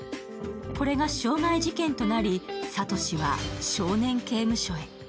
これが傷害事件となり、聡は少年刑務所へ。